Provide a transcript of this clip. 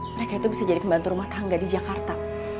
mereka itu bisa jadi pembantu rumah tangga di jakarta